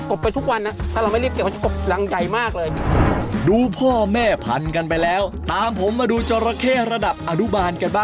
กองอย่างนี้แล้วก็ทิ้งไว้ให้เขาเลย